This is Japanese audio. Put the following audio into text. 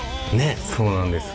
そうなんです。